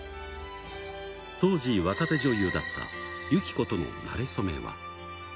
当時、若手女優だった由紀子とのなれ初めは。